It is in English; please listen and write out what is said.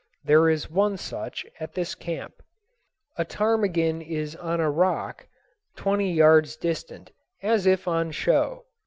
There is one such at this camp. A ptarmigan is on a rock twenty yards distant, as if on show.